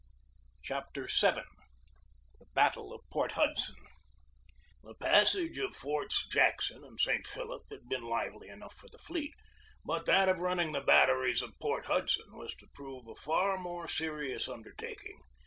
CHAPTER VII THE BATTLE OF PORT HUDSON THE passage of Forts Jackson and St. Philip had been lively enough for the fleet, but that of running the batteries of Port Hudson was to prove a far more serious undertaking.